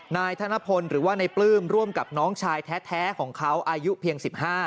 นายธนพลหรือว่าในปลื้มร่วมกับน้องชายแท้ของเขาอายุเพียง๑๕